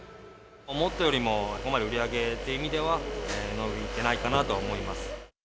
思ったよりもそこまで売り上げって意味では伸びてないかなと思います。